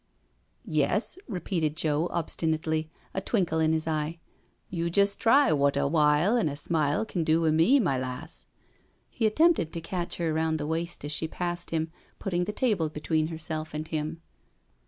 "Yes, repeated Joe obstinately, a twinkle in his eye. " You just try wot a wile an' a smile can do wi' me, my lass." He attempted to catch her around the waist as she passed him, putting the table between her self and him.